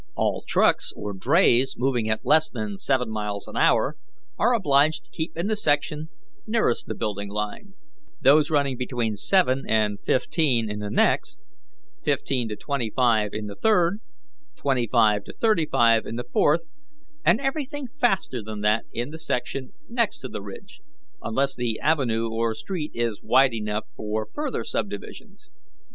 All trucks or drays moving at less than seven miles an hour are obliged to keep in the section nearest the building line, those running between seven and fifteen in the next, fifteen to twenty five in the third, twenty five to thirty five in the fourth, and everything faster than that in the section next the ridge, unless the avenue or street is wide enough for further subdivisions.